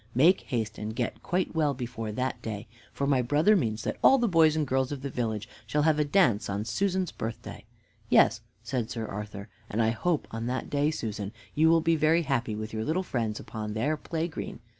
Make haste and get quite well before that day, for my brother means that all the boys and girls of the village shall have a dance on Susan's birthday." "Yes," said Sir Arthur, "and I hope on that day, Susan, you will be very happy with your little friends upon their play green.